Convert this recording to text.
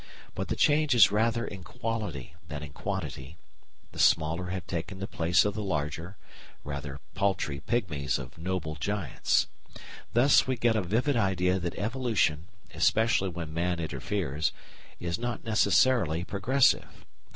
But the change is rather in quality than in quantity; the smaller have taken the place of the larger, rather paltry pigmies of noble giants. Thus we get a vivid idea that evolution, especially when man interferes, is not necessarily progressive.